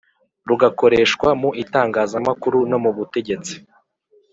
rugakoreshwa mu itangazamakuru no mu butegetsi